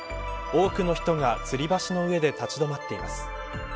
多くの人が、つり橋の上で立ち止まっています。